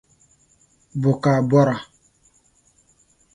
Bɔ ka bɔra?